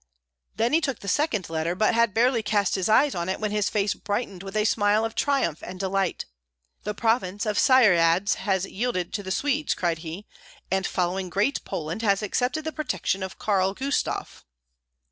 Then he took the second letter, but had barely cast his eyes on it when his face brightened with a smile of triumph and delight, "The province of Syeradz has yielded to the Swedes!" cried he, "and following Great Poland, has accepted the protection of Karl Gustav."